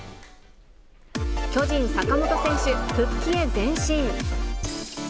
巨人、坂本選手、復帰へ前進。